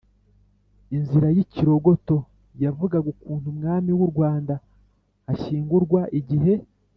inzira y’ikirogoto: yavugaga ukuntu umwami w’u rwanda ashyingurwa igihe